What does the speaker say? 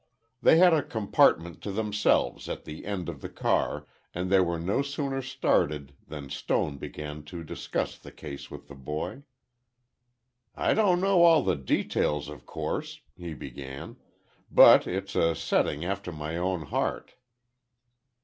They had a compartment to themselves at the end of the car, and they were no sooner started than Stone began to discuss the case with the boy. "I don't know all the details, of course," he began, "but it's a setting after my own heart."